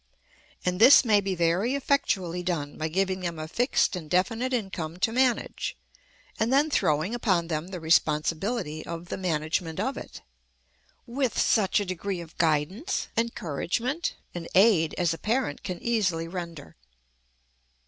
And this may be very effectually done by giving them a fixed and definite income to manage, and then throwing upon them the responsibility of the management of it, with such a degree of guidance, encouragement, and aid as a parent can easily render.